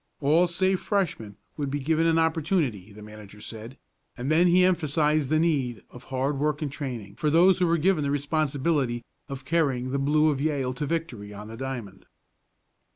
All save Freshmen would be given an opportunity, the manager said, and then he emphasized the need of hard work and training for those who were given the responsibility of carrying the blue of Yale to victory on the diamond.